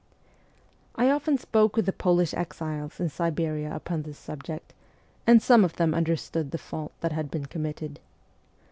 I often spoke with the Polish exiles in Siberia upon this subject, and some of them understood the fault that had been committed.